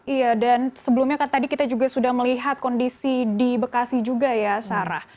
iya dan sebelumnya kan tadi kita juga sudah melihat kondisi di bekasi juga ya sarah